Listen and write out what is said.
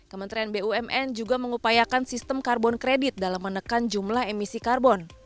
kementerian bumn juga mengupayakan sistem karbon kredit dalam menekan jumlah emisi karbon